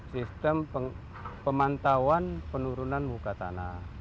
sistem pemantauan penurunan muka tanah